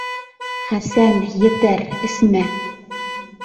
Хәсән, етәр, әсмә.